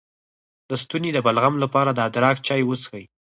د ستوني د بلغم لپاره د ادرک چای وڅښئ